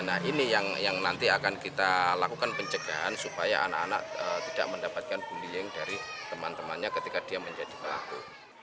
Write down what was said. nah ini yang nanti akan kita lakukan pencegahan supaya anak anak tidak mendapatkan bullying dari teman temannya ketika dia menjadi pelaku